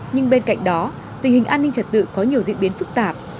nhưng bên cạnh đó tình hình an ninh trật tự có nhiều diễn biến phức tạp